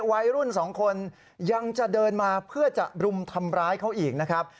วัยรุ่นสองคนยังจะเดินมาเพื่อจะรุมทำร้ายเขาอีกนะครับ